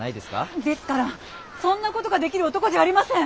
ですからそんなことができる男じゃありません。